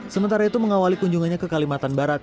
sementara itu mengawali kunjungannya ke kalimantan barat